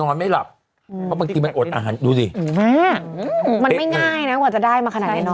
นอนไม่หลับประมาณที่มันโอดอาหารมันไม่ง่ายนะกว่าจะได้มาขนาดนี้